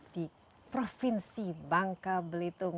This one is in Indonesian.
di provinsi bangka belitung